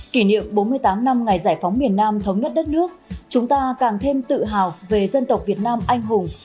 sáng năm ngày giải phóng miền nam thống nhất đất nước chúng ta càng thêm tự hào về dân tộc việt nam anh hùng